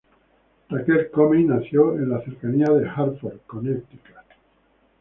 Rachel Comey nació en las cercanías de Hartford, Connecticut.